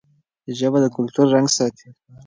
ژبه د کلتور رنګ ساتي.